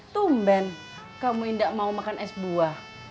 tumben kamu tidak mau makan es buah